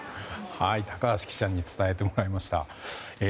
高橋記者に伝えてもらいました。